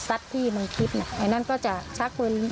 ไอ้นั่นก็จะชักวิน